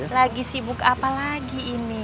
lagi sibuk apa lagi ini